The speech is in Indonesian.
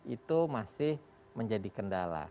itu masih menjadi kendala